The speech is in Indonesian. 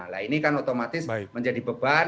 nah ini kan otomatis menjadi beban